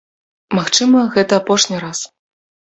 Магчыма, гэта апошні раз.